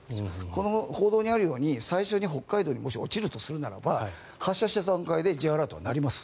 この報道にあるように最初に北海道にもし落ちるとするならば発射した段階でＪアラートは鳴ります。